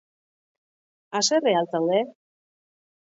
Haserre al zaude?